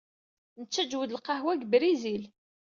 Nettaǧǧew-d lqahwa seg Brizil.